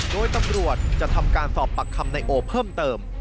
โดยตำรวจจะทำการสอบปากคำนายโอเพิ่มเติม